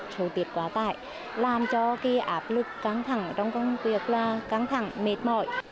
số tiết quá tải làm cho cái áp lực căng thẳng trong công việc là căng thẳng mệt mỏi